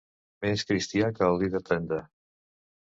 Més cristià que el vi de tenda.